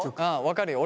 分かるよ